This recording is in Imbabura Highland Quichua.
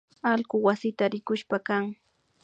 Allku wasita rikushpakan